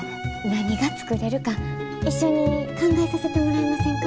何が作れるか一緒に考えさせてもらえませんか？